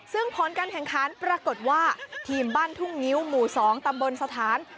ซึ่งผลการแข่งขันปรากฏว่าทีมบ้านทุ่งงิ้วหมู่๒ตำบลสถาน